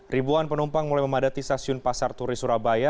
ribuan penumpang mulai memadati stasiun pasar turi surabaya